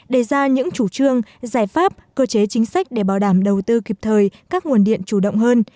đề ra những chủ trương giải pháp cơ chế chính sách để bảo đảm đầu tư kịp thời các nguồn điện chủ động hơn